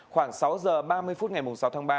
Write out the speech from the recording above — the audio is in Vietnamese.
khoảng sáu giờ ba mươi phút ngày sáu tháng ba